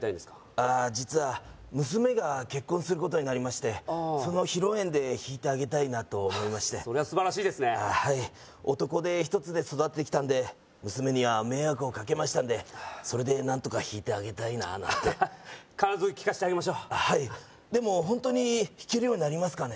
ああ実は娘が結婚することになりましてその披露宴で弾いてあげたいなと思いましてそれは素晴らしいですねはい男手一つで育ててきたんで娘には迷惑をかけましたんでそれでなんとか弾いてあげたいななんて必ず聴かせてあげましょうはいでもホントに弾けるようになりますかね